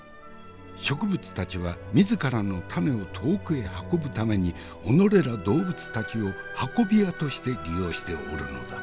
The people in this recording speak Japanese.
植物たちは自らの種を遠くへ運ぶためにおのれら動物たちを運び屋として利用しておるのだ。